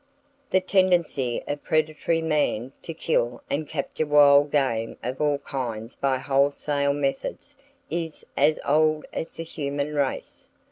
The tendency of predatory man to kill and capture wild game of all kinds by wholesale methods is as old as the human race.